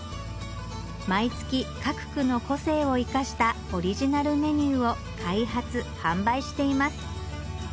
毎月各区の個性を生かしたオリジナルメニューを開発販売しています